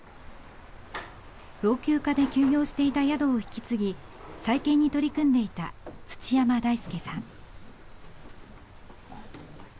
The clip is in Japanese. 老朽化で休業していた宿を引き継ぎ再建に取り組んでいた土山大典さん。